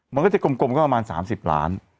มันก็จะกลมก็ประมาณ๓๐ล้าน